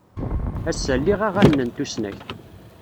Ass-a, liɣ aɣanen n tusnakt.